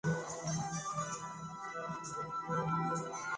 Strauss es concursante del talent show "Tu cara me suena".